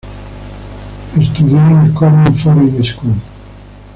Estudió en el "Korean Foreign School".